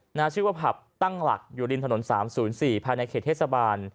หน้าชื่อว่าผับตั้งหลักอยู่ริมถนน๓๐๔ภายในเขตเทศบาล